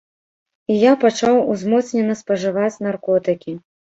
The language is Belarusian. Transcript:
І я пачаў узмоцнена спажываць наркотыкі.